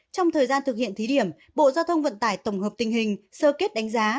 trong thời gian thực hiện thí điểm bộ giao thông vận tải tổng hợp tình hình sơ kết đánh giá